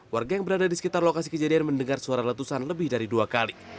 warga yang berada di sekitar lokasi kejadian mendengar suara letusan lebih dari dua kali